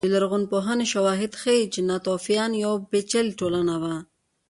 د لرغونپوهنې شواهد ښيي چې ناتوفیان یوه پېچلې ټولنه وه